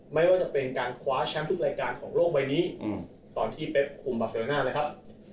ไม่ว่าจะเป็นการคว้าแชมป์ทุกรายการของโลกใบนี้ตอนที่เป๊กคุมบาเซโรน่านะครับ